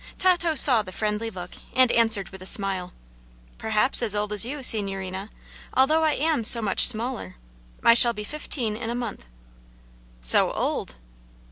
Tato saw the friendly look, and answered with a smile. "Perhaps as old as you, signorina, although I am so much smaller. I shall be fifteen in a month." "So old!"